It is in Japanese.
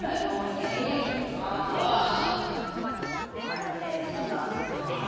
大変だったかな。